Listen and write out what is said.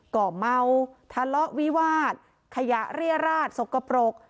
ก็เมาทะเลาะวิวาสขยะเรียราชสกปรก